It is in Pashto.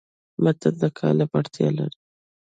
متن د قالب اړتیا لري.